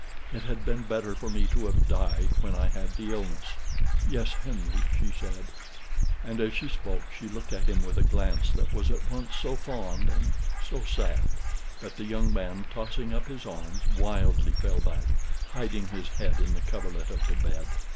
It had been better for me to have died when I had the illness." "Yes, Henry," said she and as she spoke she looked at him with a glance that was at once so fond and so sad, that the young man, tossing up his arms, wildly fell back, hiding his head in the coverlet of the bed.